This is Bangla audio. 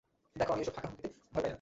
দেখো, আমি এইসব ফাঁকা হুমকিতে ভয় পাই না।